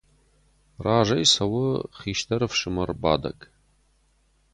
Разӕй цӕуы хистӕр ӕфсымӕр Бадӕг.